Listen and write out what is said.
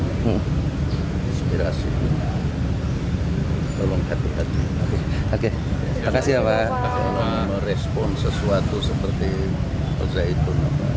oke terima kasih apa respon sesuatu seperti itu